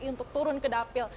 untuk turun ke dapil